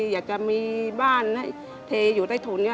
อยากจะมีบ้านให้เทอยู่ใต้ถุนนี้